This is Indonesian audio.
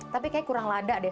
tapi kayaknya kurang lada deh